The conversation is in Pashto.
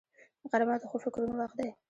غرمه د ښو فکرونو وخت دی